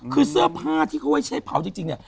คือเสื้อผ้าที่เขาไว้ใช้เผาจริงเนี่ย